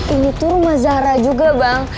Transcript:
ini tuh rumah zahra juga bang